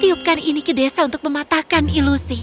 tiupkan ini ke desa untuk mematahkan ilusi